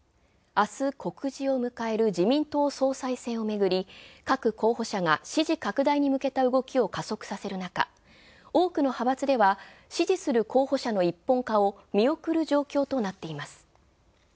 明日告示を迎える自民党総裁選をめぐり、各候補者が支持拡大に向けた動きを加速させる中、多くの派閥では支持する候補者の一本化を見送る状況となっています。